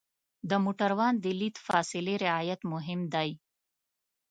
د موټروان د لید فاصلې رعایت مهم دی.